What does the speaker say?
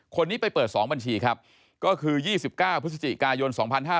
คนนี้ไปเปิด๒บัญชีครับก็คือ๒๙พฤศจิกายน๒๕๕๙